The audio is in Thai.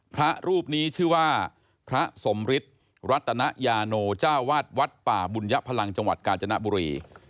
พระรูปนี้ชื่อว่าพระสมฤทธิ์รัตนยาโนเจ้าวาดวัดป่าบุญยพลังจังหวัดกาญจนบุรี